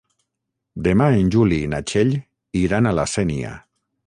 Demà en Juli i na Txell iran a la Sénia.